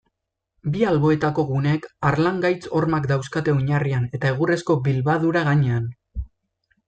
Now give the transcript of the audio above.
Bi alboetako guneek harlangaitz-hormak dauzkate oinarrian eta egurrezko bilbadura gainean.